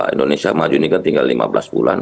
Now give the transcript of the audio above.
indonesia maju ini kan tinggal lima belas bulan